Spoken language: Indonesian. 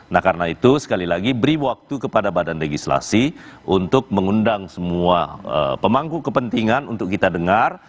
nah karena itu sekali lagi beri waktu kepada badan legislasi untuk mengundang semua pemangku kepentingan untuk kita dengar